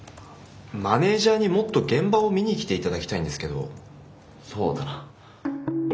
マネージャーにもっと現場を見に来て頂きたいんですけど。そうだな。